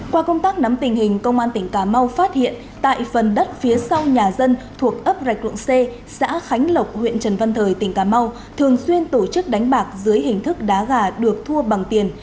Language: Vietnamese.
qua công tác nắm tình hình công an tỉnh cà mau phát hiện tại phần đất phía sau nhà dân thuộc ấp rạch lưng c xã khánh lộc huyện trần văn thời tỉnh cà mau thường xuyên tổ chức đánh bạc dưới hình thức đá gà được thua bằng tiền